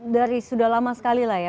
dari sudah lama sekali lah ya